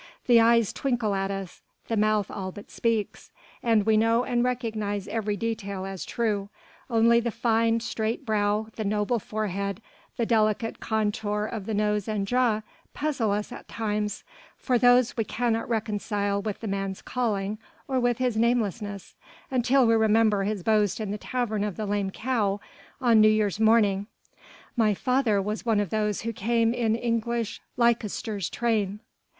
The eyes twinkle at us, the mouth all but speaks, and we know and recognize every detail as true; only the fine, straight brow, the noble forehead, the delicate contour of the nose and jaw puzzle us at times, for those we cannot reconcile with the man's calling or with his namelessness, until we remember his boast in the tavern of the "Lame Cow" on New Year's morning: "My father was one of those who came in English Leicester's train."